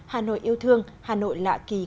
hà nội yêu thương hà nội lạ kỳ